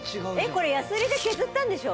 これヤスリで削ったんでしょ？